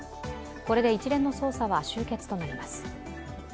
これで一連の捜査は終結とみられます。